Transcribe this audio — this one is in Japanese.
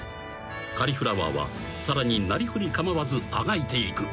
［カリフラワーはさらになりふり構わずあがいていく］